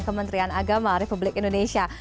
kementerian agama republik indonesia